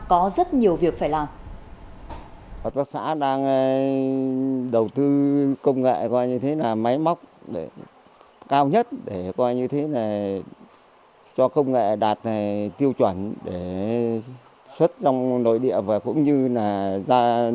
có rất nhiều việc phải làm